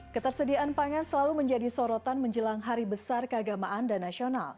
ketersediaan pangan selalu menjadi sorotan menjelang hari besar keagamaan dan nasional